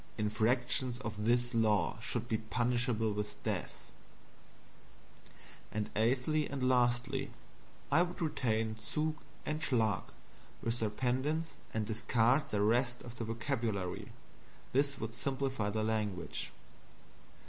Infractions of this law should be punishable with death. And eighthly, and last, I would retain ZUG and SCHLAG, with their pendants, and discard the rest of the vocabulary. This would simplify the language.